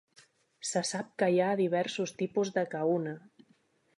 Se sap que hi ha diversos tipus de Kahuna.